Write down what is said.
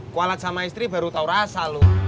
kualat sama istri baru tau rasa lo